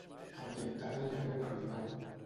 Ambientada en la ria de Bilbao.